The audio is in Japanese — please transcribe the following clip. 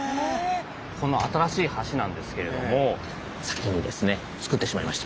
この新しい橋なんですけれども先にですね造ってしまいました。